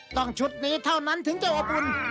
ต้องชุดนี้เท่านั้นถึงเจ้าอบรุณ